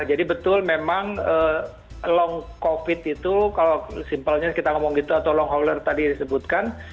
jadi betul memang long covid itu kalau simpelnya kita ngomong gitu atau long hauler tadi disebutkan